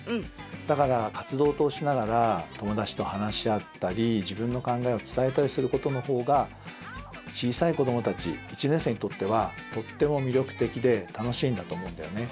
だから活動を通しながら友だちと話し合ったり自分の考えを伝えたりすることの方が小さい子どもたち１年生にとってはとっても魅力的で楽しいんだと思うんだよね。